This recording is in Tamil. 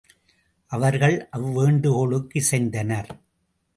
அவர்கள் அவ்வேண்டுகோளுக்கு இசைந்தனர்.